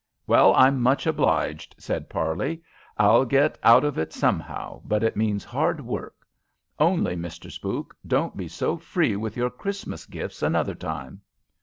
"Well, I'm much obliged," said Parley. "I'll get out of it somehow, but it means hard work; only, Mr. Spook, don't be so free with your Christmas gifts another time."